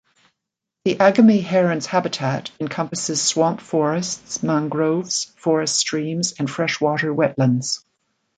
The agami heron's habitat encompasses swamp forests, mangroves, forest streams and freshwater wetlands.